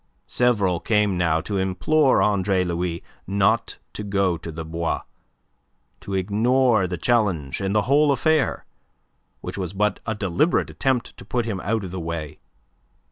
Several came now to implore Andre Louis not to go to the Bois, to ignore the challenge and the whole affair, which was but a deliberate attempt to put him out of the way.